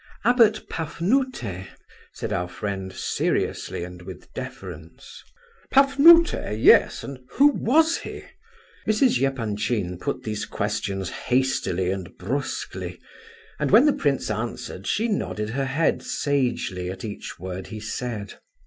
"Abbot Pafnute," said our friend, seriously and with deference. "Pafnute, yes. And who was he?" Mrs. Epanchin put these questions hastily and brusquely, and when the prince answered she nodded her head sagely at each word he said.